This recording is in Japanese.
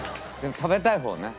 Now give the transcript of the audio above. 食べたい方。